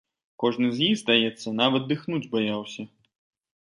Кожны з іх, здаецца, нават дыхнуць баяўся.